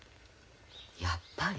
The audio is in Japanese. やっぱり？